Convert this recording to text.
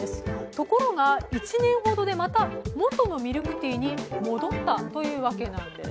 ところが、１年ほどでまた、元のミルクティーに戻ったというわけなんです。